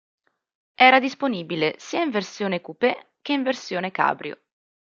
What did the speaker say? Era disponibile sia in versione coupé che in versione cabrio.